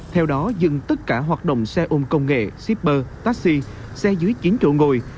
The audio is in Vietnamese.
theo đó dừng tất cả hoạt động xe ôm công nghệ shipper taxi xe dưới chiến trộn ngồi